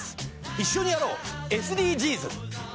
一緒にやろうＳＤＧｓ